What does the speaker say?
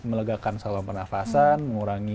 melegakan salam pernafasan mengurangi